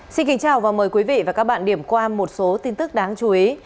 xin kính chào và mời quý vị và các bạn điểm qua một số tin tức đáng chú ý